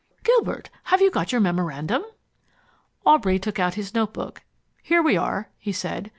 Gilbert, have you got your memorandum?" Aubrey took out his notebook. "Here we are," he said.